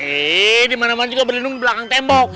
eh dimana mana juga berlindung di belakang tembok